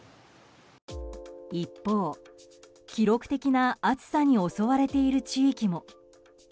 一方、記録的な暑さに襲われている地域も。